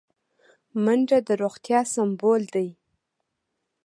منډه د روغتیا سمبول دی